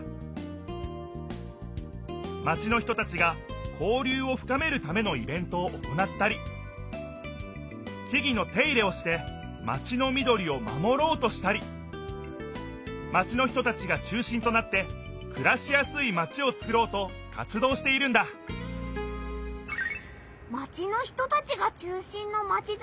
マチの人たちが交りゅうをふかめるためのイベントを行ったり木々の手入れをしてマチのみどりをまもろうとしたりマチの人たちが中心となってくらしやすいマチをつくろうと活どうしているんだ気になるぞ！